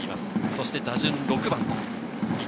そして打順６番。